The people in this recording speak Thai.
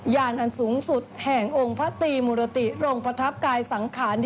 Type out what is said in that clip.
มากันแล้วนะเอากล้องเลย